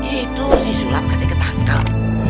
itu si sulap ketika tangkap